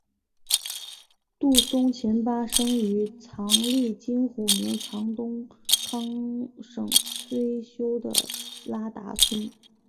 杜松虔巴生于藏历金虎年藏东康省崔休的拉达村。